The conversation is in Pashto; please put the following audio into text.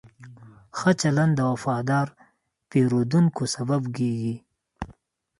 ښه چلند د وفادار پیرودونکو سبب کېږي.